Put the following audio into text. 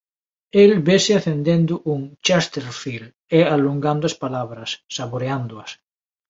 El vese acendendo un Chesterfield e alongando as palabras, saboreándoas.